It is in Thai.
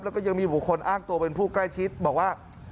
แล้วก็ยังมีบุคคลอ้างตัวเป็นผู้ใกล้ชิดบอกว่า